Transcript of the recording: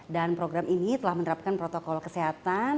dan program ini telah menerapkan protokol kesehatan